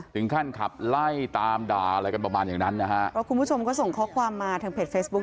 ถึงขั้นขับไล่ตามด่าอะไรกันประมาณอย่างนั้นนะฮะเพราะคุณผู้ชมก็ส่งข้อความมาทางเพจเฟซบุ๊